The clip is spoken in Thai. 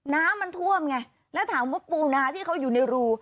น้ำมันท่วมไงแล้วถามว่าปูนาที่เขาอยู่ในรู